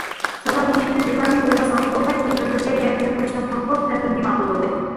سالاھىيىتىم ئۇلارنى ئويغا سالدى بولغاي، كېيىن ئۆزلىرىگە گەپ كېلىپ قېلىشتىن قورقۇپ تەلىپىمگە ماقۇل بولدى.